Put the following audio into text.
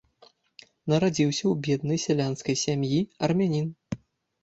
Нарадзіўся ў беднай сялянскай сям'і, армянін.